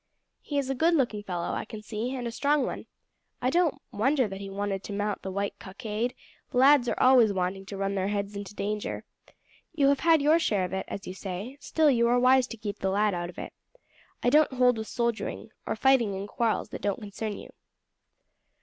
"He is a good looking young fellow, I can see, and a strong one. I don't wonder that he wanted to mount the white cockade; lads are always wanting to run their heads into danger. You have had your share of it, as you say; still you are wise to keep the lad out of it. I don't hold with soldiering, or fighting in quarrels that don't concern you.